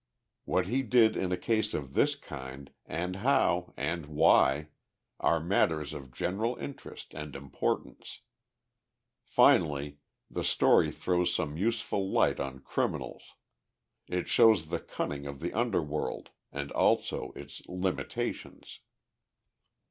What he did in a case of this kind, and how, and why, are matters of general interest and importance. Finally, the story throws some useful light on criminals. It shows the cunning of the underworld, and also its limitations.